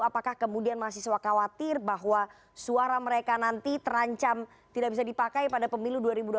apakah kemudian mahasiswa khawatir bahwa suara mereka nanti terancam tidak bisa dipakai pada pemilu dua ribu dua puluh